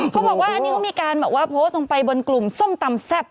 เขาบอกว่าอันนี้เขามีการแบบว่าโพสต์ลงไปบนกลุ่มส้มตำแซ่บ